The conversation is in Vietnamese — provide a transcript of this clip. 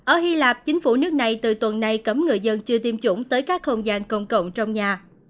ở hy lạp chính phủ nước này từ tuần này cấm người dân chưa tiêm chủng tới các không gian công cộng trong nhà